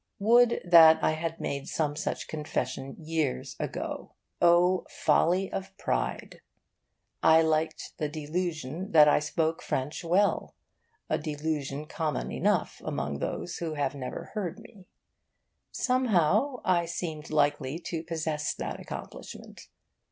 Would that I had made some such confession years ago! O folly of pride! I liked the delusion that I spoke French well, a delusion common enough among those who had never heard me. Somehow I seemed likely to possess that accomplishment.